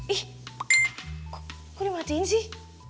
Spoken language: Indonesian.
ih kok dimatiin sih